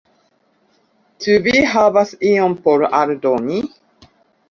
Ĉu vi havas ion por aldoni?